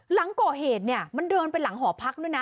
หลังก่อเหตุเนี่ยมันเดินไปหลังหอพักด้วยนะ